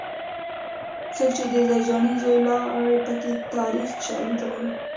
څوک یې د زرجانې زوی لاړې پکې تاریخي شالید لري